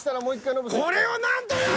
これを何と読む！